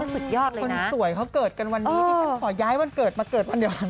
สุดยอดเลยคนสวยเขาเกิดกันวันนี้ดิฉันขอย้ายวันเกิดมาเกิดวันเดียวกัน